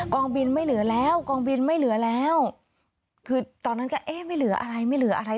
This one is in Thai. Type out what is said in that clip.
กองบินไม่เหลือแล้วคือตอนนั้นก็เอ๊ะไม่เหลืออะไรไม่เหลืออะไร